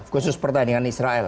khusus pertandingan israel